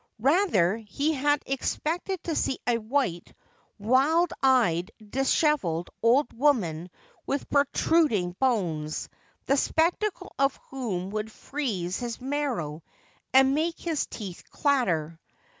Rather had he expected to see a white, wild eyed, dishevelled old woman with protruding bones, the spectacle of whom would freeze his marrow and make his teeth clatter.